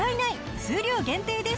数量限定です。